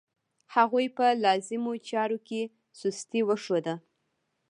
هغوی په لازمو چارو کې سستي وښوده.